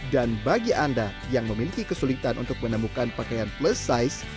dan bagi anda yang memiliki kesulitan untuk menemukan pakaian plus size